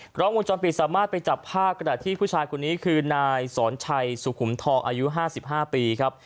กล้องวงจรปิดสามารถไปจับภาพกระดาษที่ผู้ชายคนนี้คือนายสอนชัยสุขุมทองอายุ๕๕ปีครับ